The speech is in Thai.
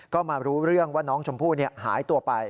ก็มารู้เรื่องว่าน้องชมพู่หายตัวไป